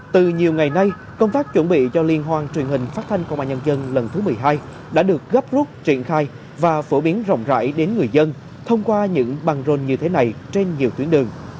từ nhiều ngày nay công tác chuẩn bị cho liên hoan truyền hình phát thanh công an nhân dân lần thứ một mươi hai đã được gấp rút triển khai và phổ biến rộng rãi đến người dân thông qua những băng rôn như thế này trên nhiều tuyến đường